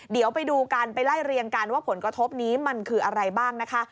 เดี๋ยวไปดูกันไปไล่เรียงกันว่าผลกระทบนี้มันคืออะไรบ้างนะคะ